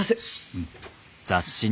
うん。